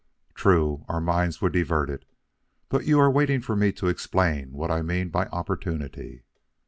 "True; our minds were diverted. But you are waiting for me to explain what I mean by opportunity.